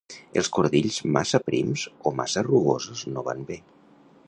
Els cordills massa prims o massa rugosos no van bé.